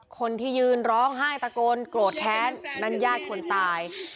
คนที่ยืนร้องไห้ตะโกนโกรธแค้นนั่นญาติคนตาย